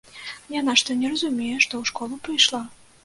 Яна што не разумее, што ў школу прыйшла?